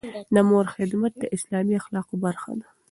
د مور خدمت د اسلامي اخلاقو برخه ده.